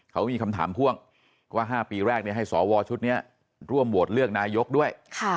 เขามีคำถามพ่วงว่า๕ปีแรกให้สวชุดนี้ร่วมโหวตเลือกนายกด้วย